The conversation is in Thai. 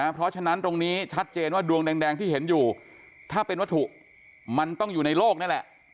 เพราะฉะนั้นตรงนี้ชัดเจนว่าดวงแดงที่เห็นอยู่ถ้าเป็นวัตถุมันต้องอยู่ในโลกนี่แหละ